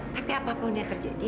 tapi apapun yang terjadi